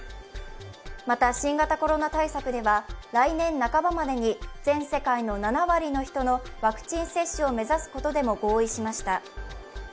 また、新型コロナ対策では来年半ばまでに全世界の７割の人のワクチン接種を目指すことでも合意しました。